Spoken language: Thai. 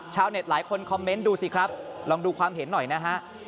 หลายคนคอมเมนต์ดูสิครับลองดูความเห็นหน่อยนะฮะ